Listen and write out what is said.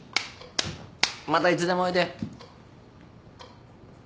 またいつでもおいで。